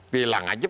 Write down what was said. bilang aja pki